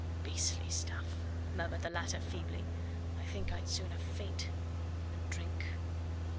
"Beastly stuff," murmured the latter feebly. "I think I'd sooner faint than drink."